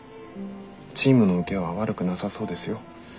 チームのウケは悪くなさそうですよ。